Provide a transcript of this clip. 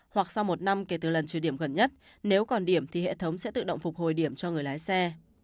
hoặc sau một năm kể từ lần trừ điểm gần nhất nếu còn điểm thì hệ thống sẽ tự động phục hồi điểm cho người lái xe